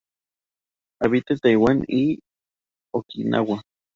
Habita en Taiwán y Okinawa.